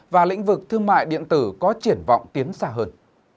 và lĩnh vực thương mại điện tử có triển vọng tiến xa hơn